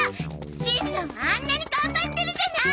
しんちゃんはあんなに頑張ってるじゃない！